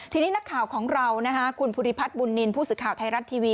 ทีนี้นักข่าวของเราคุณภูริพัฒน์บุญนินทร์ผู้สื่อข่าวไทยรัฐทีวี